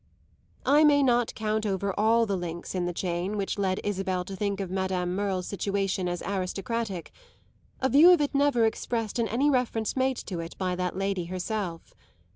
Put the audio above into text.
I may not count over all the links in the chain which led Isabel to think of Madame Merle's situation as aristocratic a view of it never expressed in any reference made to it by that lady herself.